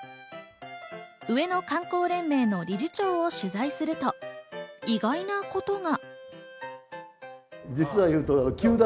上野観光連盟の理事長を取材すると意外なことが。